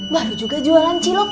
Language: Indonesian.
baru juga jualan cilok